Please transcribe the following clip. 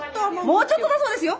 もうちょっとだそうですよ。